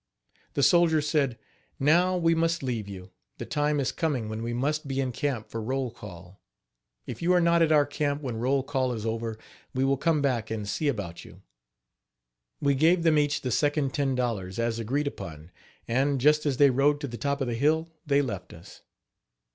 The soldiers said: "Now we must leave you; the time is coming when we must be in camp for roll call. If you are not at our camp when roll call is over, we will come back and see about you." We gave them each the second ten dollars, as agreed upon, and just as they rode to the top of the hill they left us.